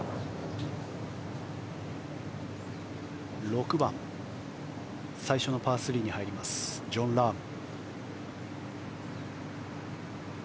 ６番、最初のパー３に入りますジョン・ラーム。